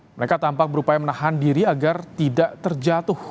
mereka tampak berupaya menahan diri agar tidak terjatuh